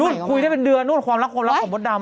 นู่นคุยได้เป็นเดือนนู่นความลับความลับของมดดำอ่ะ